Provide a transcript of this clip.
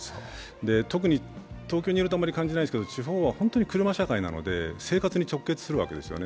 特に、東京にいるとあまり感じないんですが地方は本当に車社会なので、生活に直結するわけですね。